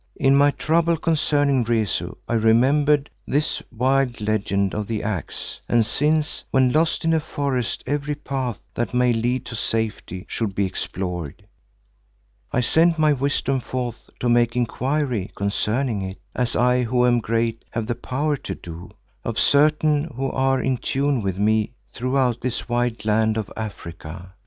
In my trouble concerning Rezu I remembered this wild legend of the axe and since, when lost in a forest every path that may lead to safety should be explored, I sent my wisdom forth to make inquiry concerning it, as I who am great, have the power to do, of certain who are in tune with me throughout this wide land of Africa.